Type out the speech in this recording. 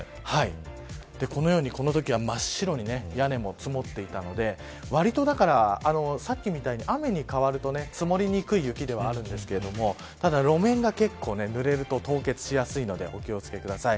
このようにこのときは真っ白に屋根にも積もっていたので割と、だからさっきみたいに雨に変わると積もりにくい雪ではあるんですけどただ路面がぬれると凍結しやすいのでお気を付けください。